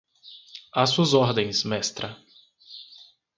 Às suas ordens, mestra